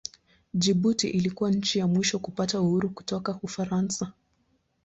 Jibuti ilikuwa nchi ya mwisho kupata uhuru kutoka Ufaransa.